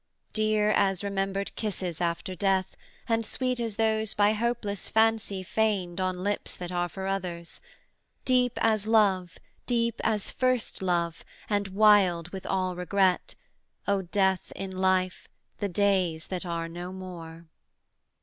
'Dear as remembered kisses after death, And sweet as those by hopeless fancy feigned On lips that are for others; deep as love, Deep as first love, and wild with all regret; O Death in Life, the days that are no more.'